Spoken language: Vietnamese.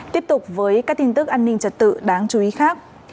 tiếp tục với các tin tức an ninh trật tự đáng chú ý khác